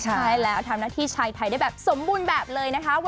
ใช่แล้วทำหน้าที่ชายไทยได้แบบสมบูรณ์แบบเลยนะคะ